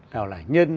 nào là nhân